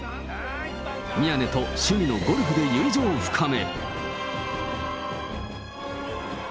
宮根と趣味のゴルフで友情を深め。